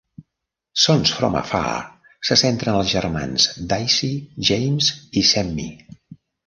"Sons from Afar" se centra en els germans Dicey, James i Sammy.